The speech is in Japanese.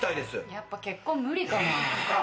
やっぱ結婚無理かな。